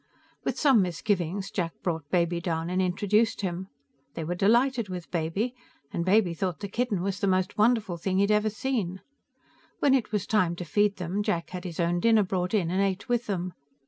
With some misgivings, Jack brought Baby down and introduced him. They were delighted with Baby, and Baby thought the kitten was the most wonderful thing he had ever seen. When it was time to feed them, Jack had his own dinner brought in, and ate with them.